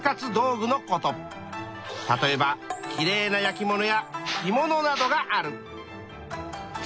例えばきれいな焼き物や着物などがある。